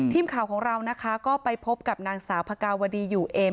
ทีมข่าวของเรานะคะก็ไปพบกับนางสาวพกาวดีอยู่เอม